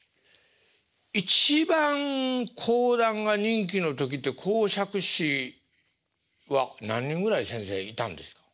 一番講談が人気の時って講釈師は何人ぐらい先生いたんですか？